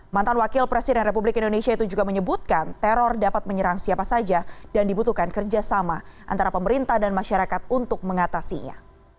mantan wakil presiden republik indonesia itu juga menyebutkan teror dapat menyerang siapa saja dan dibutuhkan kerjasama antara pemerintah dan masyarakat untuk mengatasinya